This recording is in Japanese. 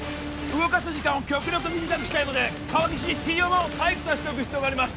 動かす時間を極力短くしたいので川岸にＴＯ１を待機させておく必要があります